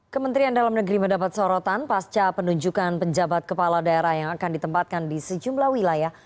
kementerian dalam negeri mendapat sorotan pasca penunjukan penjabat kepala daerah yang akan ditempatkan di sejumlah wilayah